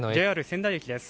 ＪＲ仙台駅です。